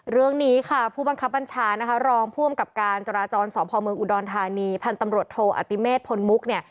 เรื่องนี้ค่ะผู้บังคับบัญชานะคะรองผู้อำกับการจราจรสพเมืองอุดรธานีพันธ์ตำรวจโทอติเมษพลมุกเนี่ย